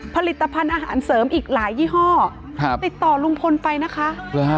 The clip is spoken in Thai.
ผลิตภัณฑ์อาหารเสริมอีกหลายยี่ห้อติดต่อลุงพลไปนะคะ